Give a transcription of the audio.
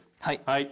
はい。